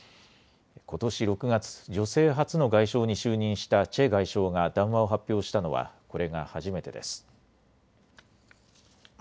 ことし６月、女性初の外相に就任したチェ外相が談話を発表したのはこれが初めてです。